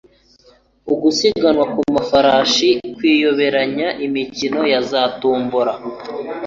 Ugusiganwa ku mafarashi, kwiyoberanya, imikino ya za tombora,